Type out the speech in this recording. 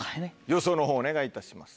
予想の方お願いいたします